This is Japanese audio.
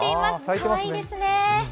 かわいいですね。